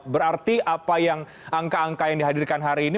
berarti apa yang angka angka yang dihadirkan hari ini